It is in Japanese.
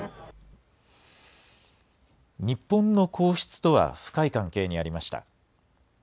日本の皇室とは深い関係にありました。